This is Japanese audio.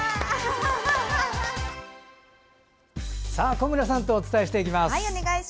小村さんとお伝えしていきます。